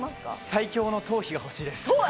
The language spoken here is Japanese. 最強の頭皮が欲しいです。